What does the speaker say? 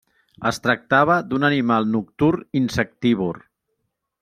Es tractava d'un animal nocturn i insectívor.